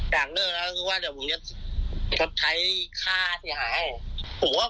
อยากเลิกแล้วคือว่าเดี๋ยวผมจะใช้ค่าที่จะให้